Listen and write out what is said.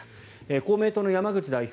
公明党の山口代表